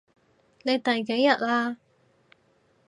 你第幾日喇？